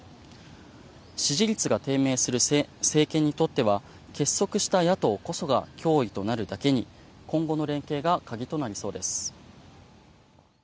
支持率が低迷する政権にとっては結束した野党こそが脅威となるだけに今後の連携が鍵となりそうです。